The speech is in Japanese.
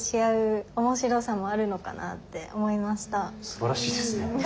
すばらしいですね。